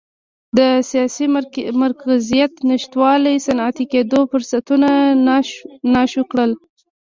د سیاسي مرکزیت نشتوالي صنعتي کېدو فرصتونه ناشو کړل.